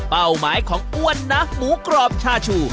หมายของอ้วนนะหมูกรอบชาชู